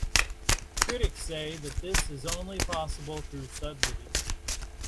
Critics say that this is only possible through subsidies.